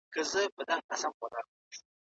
او سپوږمۍ ته د چندڼ د ښاخ سلام دی